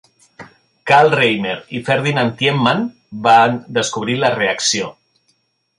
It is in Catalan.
Karl Reimer i Ferdinand Tiemann van descobrir la reacció.